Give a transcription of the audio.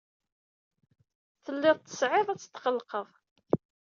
Telliḍ tesɛiḍ ad tetqellqeḍ.